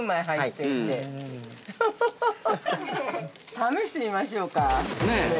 試してみましょうか？